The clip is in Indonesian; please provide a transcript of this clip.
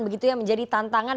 begitu yang menjadi tantangan